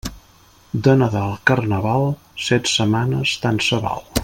De Nadal a Carnaval, set setmanes tant se val.